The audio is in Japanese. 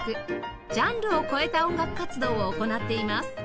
ジャンルを超えた音楽活動を行っています